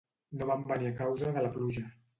No vam venir a causa de la pluja.